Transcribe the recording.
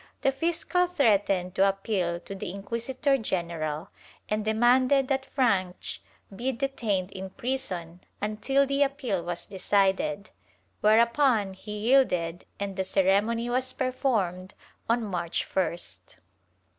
The fiscal threatened to appeal to the inquisitor general and demanded that Franch be detained in prison until the appeal was decided, whereupon he yielded and the ceremony was performed on March Ist.